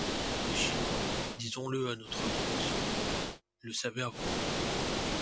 Les Chinois, disons-le à notre honte, le savaient avant nous.